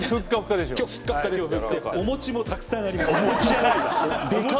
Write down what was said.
でかお餅もたくさんあります。